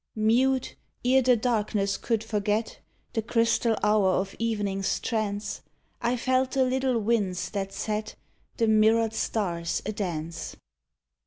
Mute, ere the darkness could forget The crystal hour of evening's trance, I felt the little winds that set The mirrored stars a dance.